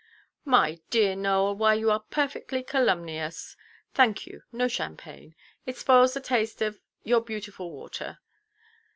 "My dear Nowell, why you are perfectly calumnious. Thank you, no champagne. It spoils the taste of—your beautiful water.